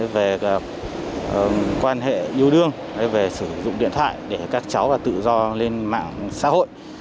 về quan hệ yêu đương về sử dụng điện thoại để các cháu tự do lên mạng xã hội